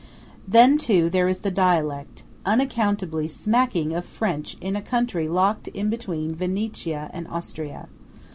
Then, too, there is the dialect, unaccountably smacking of French in a country locked in between Venetia and Austria.